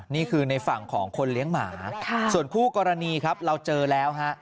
นี่คือในฝั่งของคนเลี้ยงหมาส่วนคู่กรณีครับเราเจอแล้วฮะ